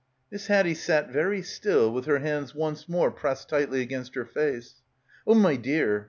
Miss Haddie sat very still with her hands once more pressed tightly against her face. "Oh, my dear.